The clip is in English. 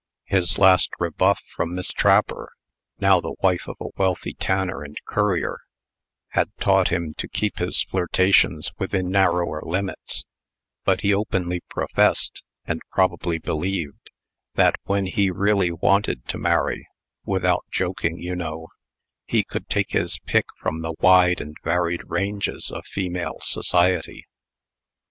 His last rebuff from Miss Trapper (now the wife of a wealthy tanner and currier) had taught him to keep his flirtations within narrower limits; but he openly professed, and probably believed, that, when he really wanted to marry without joking, you know he could take his pick from the wide and varied ranges of female society.